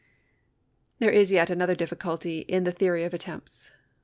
There is yet another difficulty in the theory of attempts.